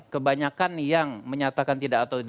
kebanyakan yang menyatakan tidak atau